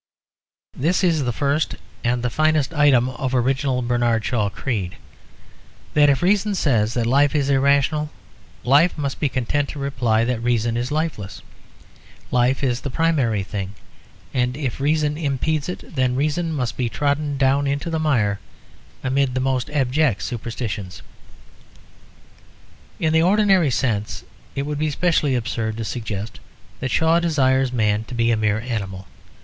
This is the first and finest item of the original Bernard Shaw creed: that if reason says that life is irrational, life must be content to reply that reason is lifeless; life is the primary thing, and if reason impedes it, then reason must be trodden down into the mire amid the most abject superstitions. In the ordinary sense it would be specially absurd to suggest that Shaw desires man to be a mere animal.